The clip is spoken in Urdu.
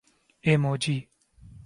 ایموجی